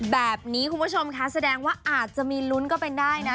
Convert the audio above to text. แบบนี้คุณผู้ชมคะแสดงว่าอาจจะมีลุ้นก็เป็นได้นะ